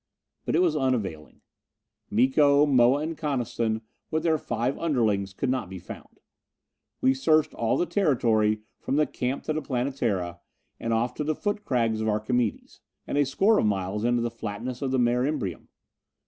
But it was unavailing. Miko, Moa and Coniston, with their five underlings, could not be found. We searched all the territory from the camp to the Planetara, and off to the foot crags of Archimedes, and a score of miles into the flatness of the Mare Imbrium.